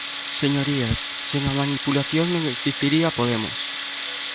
Señorías, sen a manipulación non existiría Podemos.